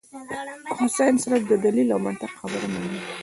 خو سائنس صرف د دليل او منطق خبره مني -